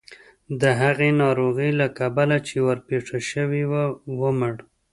د هغې ناروغۍ له کبله چې ورپېښه شوې وه ومړ.